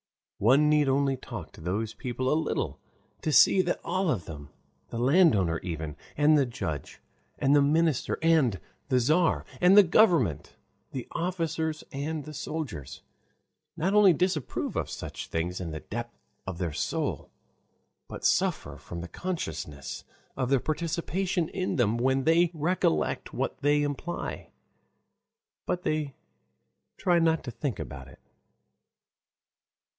One need only talk to these people a little to see that all of them, the landowner even, and the judge, and the minister and the Tzar and the government, the officers and the soldiers, not only disapprove of such things in the depth of their soul, but suffer from the consciousness of their participation in them when they recollect what they imply. But they try not to think about it.